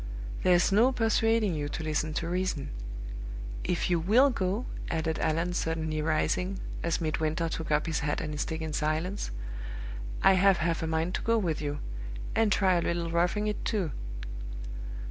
There's no persuading you to listen to reason. If you will go," added Allan, suddenly rising, as Midwinter took up his hat and stick in silence, "I have half a mind to go with you, and try a little roughing it too!"